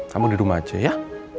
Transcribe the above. kamu di rumah aja ya